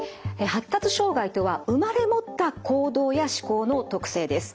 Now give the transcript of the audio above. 発達障害とは生まれ持った行動や思考の特性です。